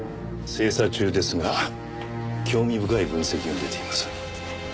精査中ですが興味深い分析が出ています。